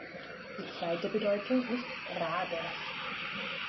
Die zweite Bedeutung ist 'Rabe'.